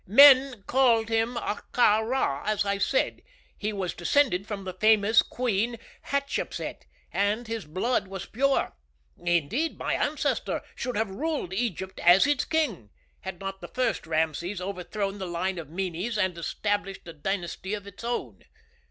"Men called him Ahtka Rā, as I said. He was descended from the famous Queen Hatshepset, and his blood was pure. Indeed, my ancestor should have ruled Egypt as its king, had not the first Rameses overthrown the line of Mēnēs and established a dynasty of his own.